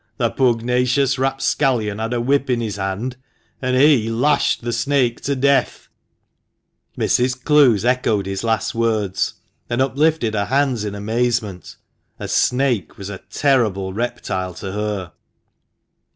The pugnacious rapscallion had a whip in his hand, and he — lashed the snake to death !" Mrs. Clowes echoed his last words, and uplifted her hands in amazement. A snake was a terrible reptile to her.